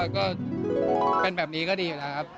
ก็เป็นแบบนี้ก็ดีอยู่แล้วครับ